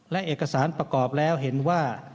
และเอกสารประกอบแล้วเห็นว่า